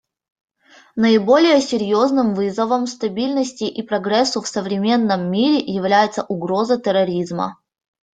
Наиболее серьезным вызовом стабильности и прогрессу в современном мире является угроза терроризма.